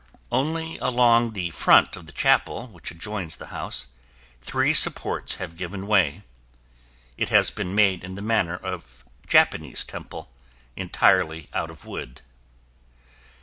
Only along the front of the chapel which adjoins the house, three supports have given way (it has been made in the manner of Japanese temple, entirely out of wood.)